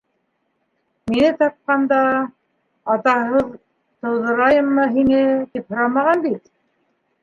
- Мине тапҡанда... атаһыҙ тыуҙырайыммы һине, тип һорамаған бит!